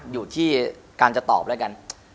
อยู่ที่การจะตอบเลยอย่างนั้น